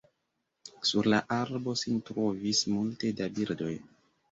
Sur la arbo sin trovis multe da birdoj.